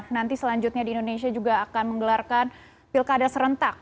nanti selanjutnya di indonesia juga akan menggelarkan pilkada serentak